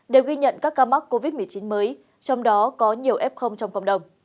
đều ghi nhận các ca mắc covid một mươi chín mới trong đó có nhiều f trong cộng đồng